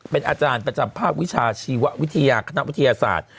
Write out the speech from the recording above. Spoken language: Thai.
เป็นอาจารย์ประจำภาควิชาชีววิทยาคณะวิทยาศาสตร์